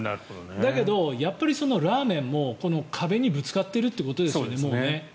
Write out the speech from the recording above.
だけどやっぱりそのラーメンもこの壁にぶつかっているということですよね、もう。